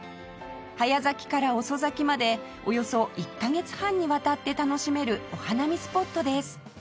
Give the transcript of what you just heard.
早咲きから遅咲きまでおよそ１カ月半にわたって楽しめるお花見スポットです